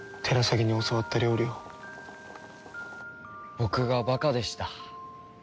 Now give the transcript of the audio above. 僕がバカでした。